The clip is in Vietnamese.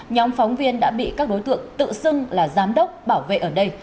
nhóm phóng viên đã bị các đối tượng tự xưng là giám đốc bảo vệ ở đây